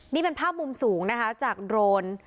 นี่เป็นภาพมุมสูงนะคะจากโดรน